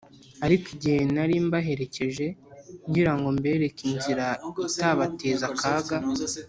ariko igihe nari mbaherekeje ngira ngo mbereke inzira itabateza akaga